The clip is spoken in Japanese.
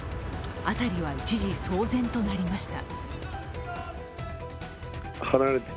辺りは一時騒然となりました。